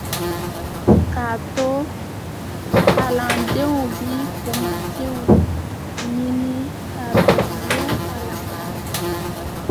- K'a to kalandenw bi kumasenw ɲini ka bɛn loon kalanta ma;